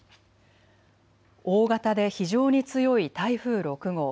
大型で非常に強い台風６号。